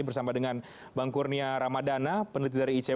bersama dengan bang kurnia ramadana peneliti dari icw